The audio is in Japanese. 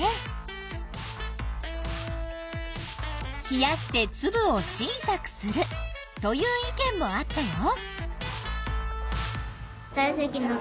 冷やしてつぶを小さくするという意見もあったよ。